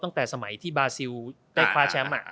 ตั้งแต่สมัยที่บาซิลได้คว้าแชมป์